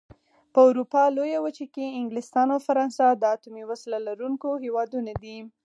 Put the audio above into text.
په اروپا لويه وچه کې انګلستان او فرانسه د اتومي وسلو لرونکي هېوادونه دي.